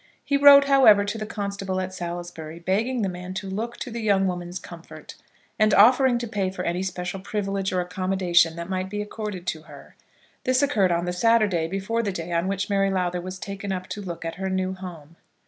He wrote, however, to the constable at Salisbury, begging the man to look to the young woman's comfort, and offering to pay for any special privilege or accommodation that might be accorded to her. This occurred on the Saturday before the day on which Mary Lowther was taken up to look at her new home.